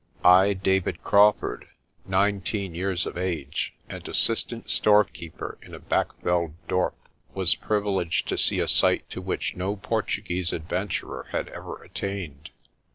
I, David Crawfurd, nineteen years of age, and assistant storekeeper in a back veld dorp, was privileged to see a sight to which no Portuguese adventurer had ever attained.